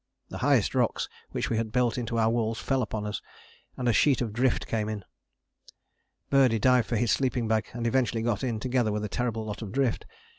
The highest rocks which we had built into our walls fell upon us, and a sheet of drift came in. Birdie dived for his sleeping bag and eventually got in, together with a terrible lot of drift.